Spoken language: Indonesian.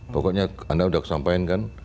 pokoknya anda sudah kesampaian kan